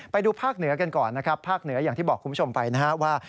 ไปดูภาคเหนือกันก่อนนะครับภาคเหนืออย่างที่บอกคุณผู้ชมไปนะครับว่า